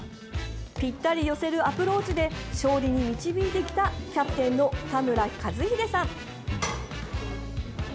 ぴったり寄せるアプローチで勝利に導いてきたキャプテンの田村和秀さん。